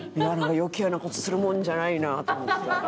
余計な事するもんじゃないなと思って。